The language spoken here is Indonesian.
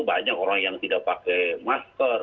banyak orang yang tidak pakai masker